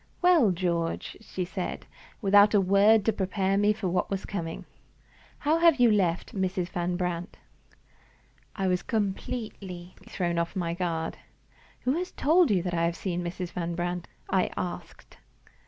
"Well, George?" she said, without a word to prepare me for what was coming. "How have you left Mrs. Van Brandt?" I was completely thrown off my guard. "Who has told you that I have seen Mrs. Van Brandt?" I asked.